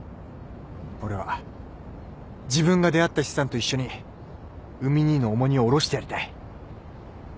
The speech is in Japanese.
俺は自分が出会った資産と一緒に海兄の重荷を下ろしてやりたい。